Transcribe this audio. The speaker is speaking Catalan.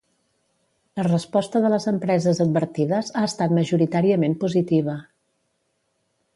La resposta de les empreses advertides ha estat majoritàriament positiva.